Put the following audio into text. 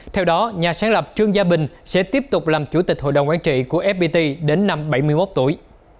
theo đó nhà sáng lập trương gia bình sẽ tiếp tục làm chủ tịch hội đồng quán trị của fpt đến năm bảy mươi một tuổi